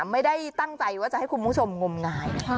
ไม่ได้ตั้งใจว่าจะให้คุณผู้ชมงมงาย